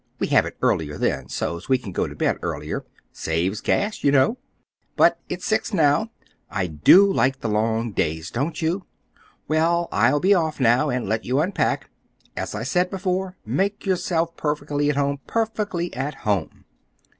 We have it earlier then, so's we can go to bed earlier. Saves gas, you know. But it's at six now. I do like the long days, don't you? Well, I'll be off now, and let you unpack. As I said before, make yourself perfectly at home, perfectly at home."